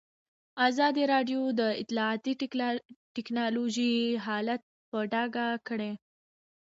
ازادي راډیو د اطلاعاتی تکنالوژي حالت په ډاګه کړی.